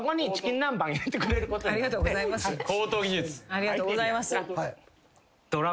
ありがとうございます。